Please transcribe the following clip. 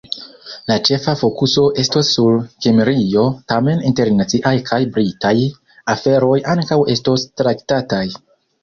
La ĉefa fokuso estos sur Kimrio, tamen internaciaj kaj Britaj aferoj ankaŭ estos traktataj.